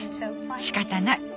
しかたない！